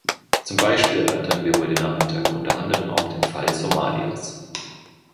Zum Beispiel erörtern wir heute Nachmittag unter anderem auch den Fall Somalias.